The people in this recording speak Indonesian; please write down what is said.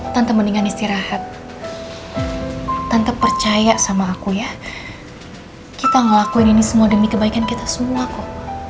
tante mendingan istirahat tante percaya sama aku ya kita ngelakuin ini semua demi kebaikan kita semua kok